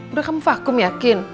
udah kamu vakum yakin